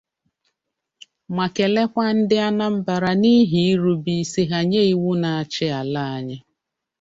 ma kelekwa ndị Anambra n'ihi irube isi ha nye iwu na-achị ala anyị